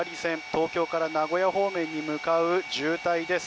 東京から名古屋方面に向かう渋滞です。